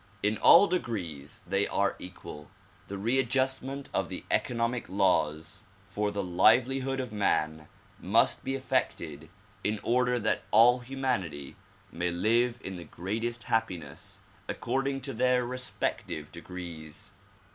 In all degrees they are equal. The readjustment of the economic laws for the liveli DISCOURSES DELIVERED IN NEW YORK 165 hood of man must be effected in order that all humanity may live in the greatest happiness according to their respective degrees.